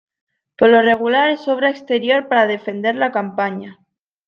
Por lo regular es obra exterior para defender la campaña".